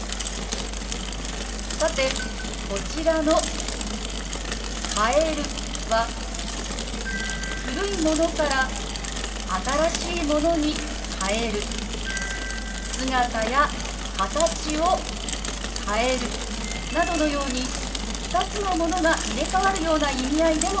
さてこちらの「変える」は「古いものから新しいものに変える」「姿や形を変える」などのように２つのものが入れかわるような意味合いでも使われます。